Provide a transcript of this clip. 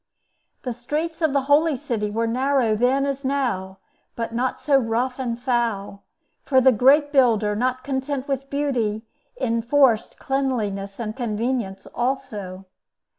The streets of the Holy City were narrow then as now, but not so rough and foul; for the great builder, not content with beauty, enforced cleanliness and convenience also.